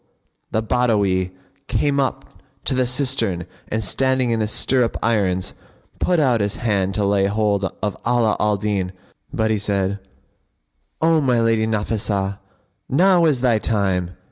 the Badawi came up to the cistern and, standing in his stirrup irons put out his hand to lay hold of Ala al Din; but he said, "O my lady Nafнsah[FN#50]! Now is thy time!"